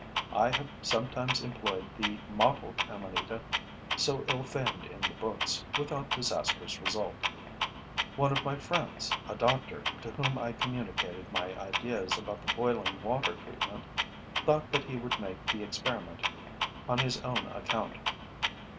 I have sometimes employed the mottled amanita, so ill famed in the books, without disastrous result. One of my friends, a doctor, to whom I communicated my ideas about the boiling water treatment, thought that he would make the experiment on his own account.